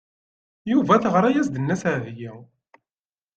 Yuba teɣra-as-d Nna Seɛdiya.